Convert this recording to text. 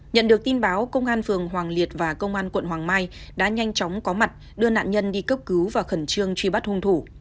nhận được tin báo công an phường hoàng liệt và công an quận hoàng mai đã nhanh chóng có mặt đưa nạn nhân đi cấp cứu và khẩn trương truy bắt hung thủ